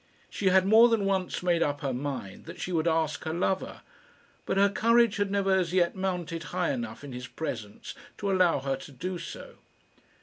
She had more than once made up her mind that she would ask her lover, but her courage had never as yet mounted high enough in his presence to allow her to do so.